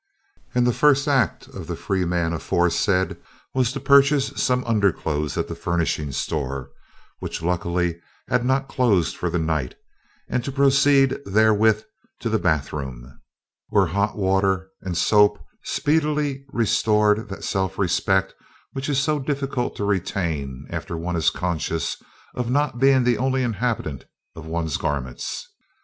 And the first act of the free man aforesaid was to purchase some underclothes at the furnishing store, which luckily had not closed for the night, and to proceed therewith to the bath room, where hot water and soap speedily restored that self respect which is so difficult to retain after one is conscious of not being the only inhabitant of one's garments.